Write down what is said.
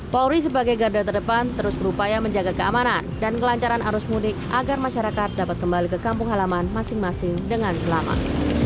polri sebagai garda terdepan terus berupaya menjaga keamanan dan kelancaran arus mudik agar masyarakat dapat kembali ke kampung halaman masing masing dengan selamat